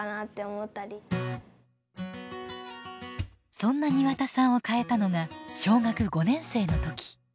そんな庭田さんを変えたのが小学５年生の時。